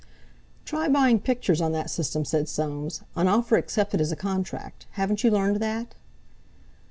"Try buying pictures on that system," said Soames; "an offer accepted is a contract—haven't you learned that?"